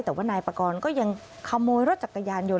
แต่ว่านายปากรก็ยังขโมยรถจักรยานยนต